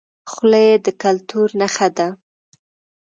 خولۍ د کلتور نښه ده